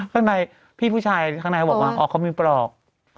ข้างในพี่ผู้ชายข้างในเขาบอกว่าอ๋อเขามีปลอก